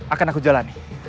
akan aku jalani